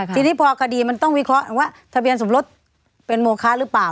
ทีนี้พอคดีมันต้องวิเคราะห์ว่าทะเบียนสมรสเป็นโมคะหรือเปล่า